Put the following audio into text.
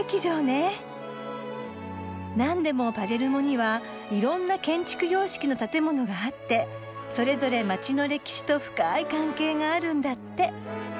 なんでもパレルモにはいろんな建築様式の建物があってそれぞれ街の歴史と深い関係があるんだって。